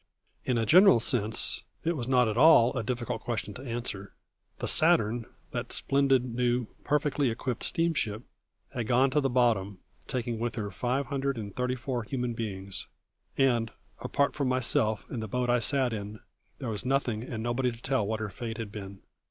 In a general sense it was not at all a difficult question to answer. The Saturn, that splendid, new, perfectly equipped steamship, had gone to the bottom, taking with her five hundred and thirty four human beings; and, apart from myself and the boat I sat in, there was nothing and nobody to tell what her fate had been.